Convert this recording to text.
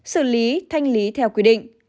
xử lý thanh lý theo quy định